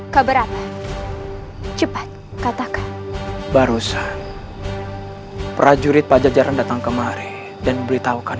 kabar apa cepat katakan barusan prajurit pajak jaran datang kemari dan memberitahukan